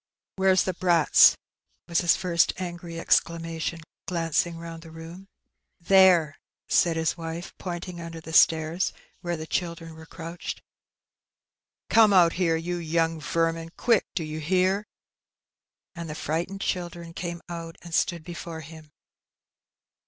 " Where's the brats ?" was his first angry exclamaticm, icung round the room. 18 Heb Benny. "There," said hia wife, pointing under the stairs, where the children were crouched, " Come out here, you young vermin ; quick 1 do you hear?" And the frightened children came out and stood before him.